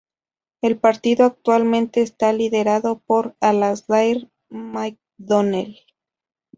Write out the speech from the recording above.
El partido actualmente está liderado por Alasdair McDonnell.